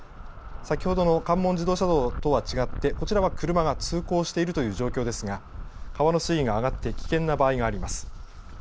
先ほどの関門自動車道とは違ってこちらは車が通行しているという状況ですが川の水位が上がって危険な場合があります。